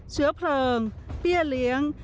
เชื้อเพลิงเบี้ยเลี้ยง